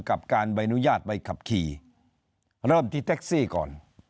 กับการใบอนุญาตใบขับขี่เริ่มที่แท็กซี่ก่อน